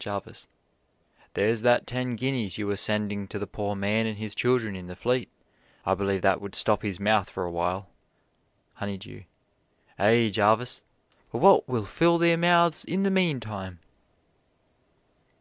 Jarvis: There's that ten guineas you were sending to the poor man and his children in the Fleet. I believe that would stop his mouth for a while. Honeydew: Ay, Jarvis; but what will fill their mouths in the meantime?